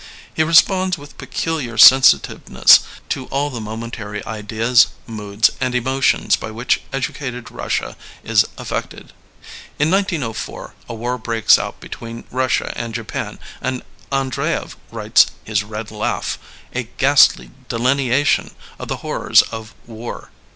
He responds with peculiar sensitiveness to all the mo mentary ideas, moods and emotions by which edu cated Bussia is affected. In 1904 a war breaks out between Russia and Japan, and Andreyev writes his Red Laugh, a ghastly delineation of the hor rors of war.